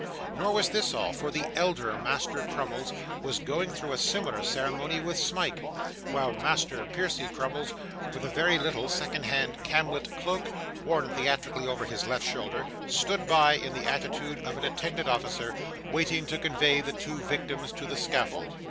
Nor was this all, for the elder Master Crummles was going through a similar ceremony with Smike; while Master Percy Crummles, with a very little second hand camlet cloak, worn theatrically over his left shoulder, stood by, in the attitude of an attendant officer, waiting to convey the two victims to the scaffold.